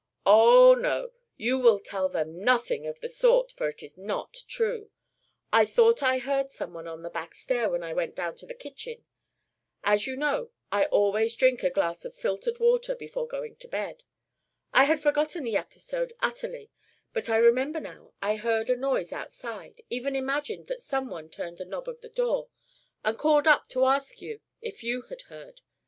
"Oh, no; you will tell them nothing of the sort, for it is not true. I thought I heard some one on the back stairs when I went down to the kitchen. As you know I always drink a glass of filtered water before going to bed. I had forgotten the episode utterly, but I remember now, I heard a noise outside, even imagined that some one turned the knob of the door, and called up to ask you if you also had heard.